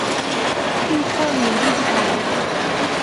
ที่เท่าแมวดิ้นตาย